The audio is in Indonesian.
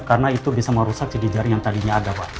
karena itu bisa merusak sidik jari yang tadinya ada pak